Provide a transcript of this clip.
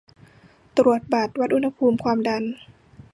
ตรวจบัตร วัดอุณหภูมิความดัน